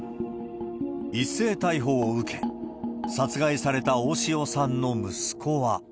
一斉逮捕を受け、殺害された大塩さんの息子は。